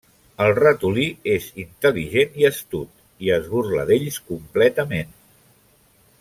El ratolí és intel·ligent i astut i es burla d'ells completament.